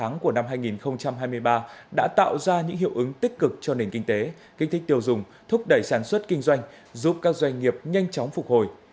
năm hai nghìn hai mươi ba đã tạo ra những hiệu ứng tích cực cho nền kinh tế kinh tích tiêu dùng thúc đẩy sản xuất kinh doanh giúp các doanh nghiệp nhanh chóng phục hồi